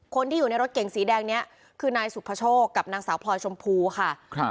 คนที่อยู่ในรถเก่งสีแดงนี้คือนายสุภโชคกับนางสาวพลอยชมพูค่ะครับ